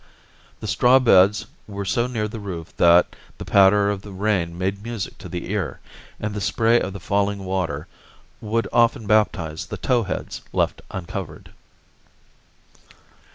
The straw beds were so near the roof that the patter of the rain made music to the ear, and the spray of the falling water would often baptize the "tow heads" left uncovered.